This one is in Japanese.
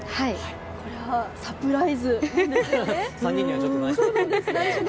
これはサプライズなんですよね。